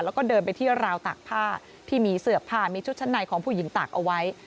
แล้วก็เดินไปที่ราวตากผ้าที่มีเสื้อผ้ามีชุดชั้นในของผู้หญิงตากเอาไว้